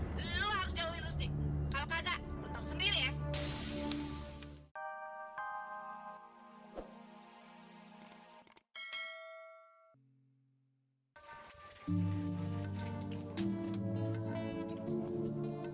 punya salah apa ya sama orang